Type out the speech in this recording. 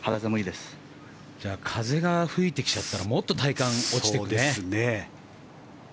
風が吹いてきちゃったらもっと体感落ちてくるね。